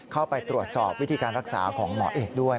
เข้าไปตรวจสอบวิธีการรักษาของหมอเอกด้วย